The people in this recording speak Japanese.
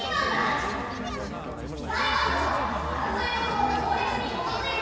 裁判とは争いごとを法律にもとづいて。